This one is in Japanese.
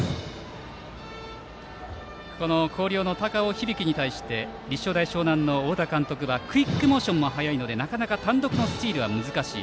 広陵の高尾響に対して立正大淞南の太田監督はクイックモーションが速いのでなかなか単独のスチールは難しい。